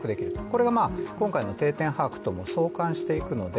これが今回の定点把握とも相関していくので